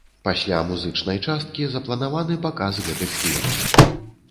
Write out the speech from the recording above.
Пасля музычнай часткі запланаваны паказ гэтых фільмаў.